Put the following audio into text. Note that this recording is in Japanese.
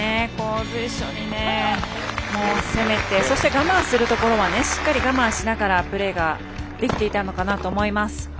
随所に攻めてそして、我慢するところはしっかり我慢しながらプレーができていたのかなと思います。